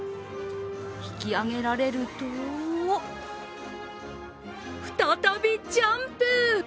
引き上げられると再びジャンプ。